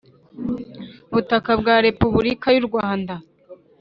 butaka bwa Repubulika y u Rwanda